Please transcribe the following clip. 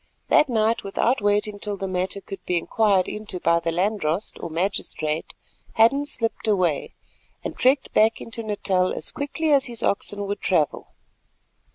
That night, without waiting till the matter could be inquired into by the landdrost or magistrate, Hadden slipped away, and trekked back into Natal as quickly as his oxen would travel.